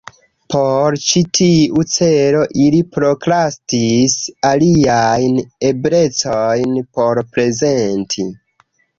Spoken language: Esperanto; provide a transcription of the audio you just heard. Por ĉi tiu celo ili prokrastis aliajn eblecojn por prezenti.